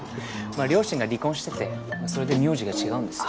まあ両親が離婚しててそれで名字が違うんです。